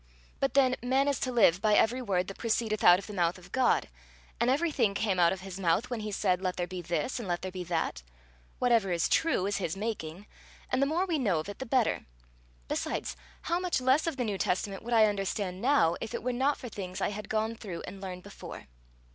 But then, man is to live by every word that proceedeth out of the mouth of God; and everything came out of his mouth, when he said, Let there be this, and Let there be that. Whatever is true is his making, and the more we know of it the better. Besides, how much less of the New Testament would I understand now, if it were not for things I had gone through and learned before!"